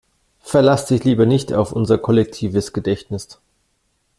Verlass dich lieber nicht auf unser kollektives Gedächtnis!